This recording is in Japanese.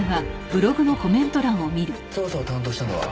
捜査を担当したのは？